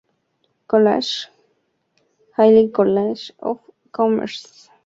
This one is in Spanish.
College, Hailey College of Commerce y Forman Christian College University, Lahore.